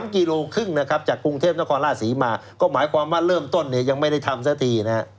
๓กิโลครึ่งจากกรุงเทพชลาศรีมาก็หมายความว่าเริ่มต้นยังไม่ได้ทำซะที